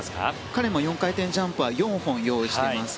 彼も４回転ジャンプは４本用意しています。